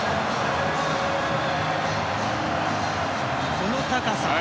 この高さ。